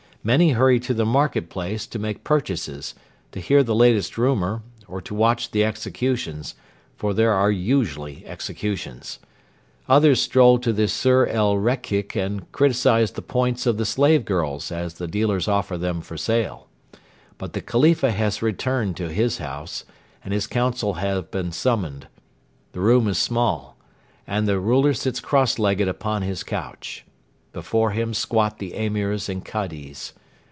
Many hurry to the market place to make purchases, to hear the latest rumour, or to watch the executions for there are usually executions. Others stroll to the Suk er Rekik and criticise the points of the slave girls as the dealers offer them for sale. But the Khalifa has returned to his house, and his council have been summoned. The room is small, and the ruler sits cross legged upon his couch. Before him squat the Emirs and Kadis.